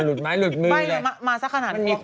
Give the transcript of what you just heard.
หนูะบ้ายแล้วมาสักขนาดเงี๊ยว